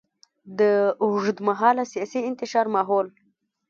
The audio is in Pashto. د اوږدمهاله سیاسي انتشار ماحول.